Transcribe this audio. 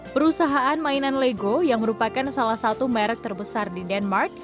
perusahaan mainan lego yang merupakan salah satu merek terbesar di denmark